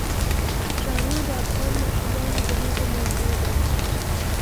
ښارونه د افغان ماشومانو د لوبو موضوع ده.